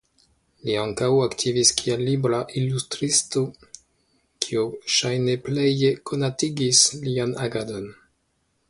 Li ankaŭ aktivis kiel libra ilustristo kio ŝajne pleje konatigis lian agadon.